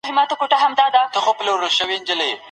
که په لاره کی دي مل و آیینه کي چي انسان دی